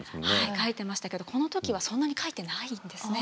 描いてましたけどこの時はそんなに描いてないんですね。